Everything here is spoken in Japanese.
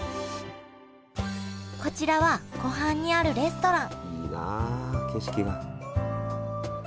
こちらは湖畔にあるレストランいいなあ景色が。